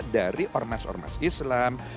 dari ormas ormas islam